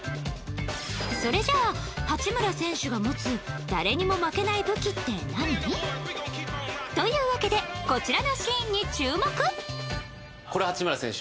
それじゃあ、八村選手が持つ誰にも負けない武器って何？というわけでこちらのシーンに注目満島：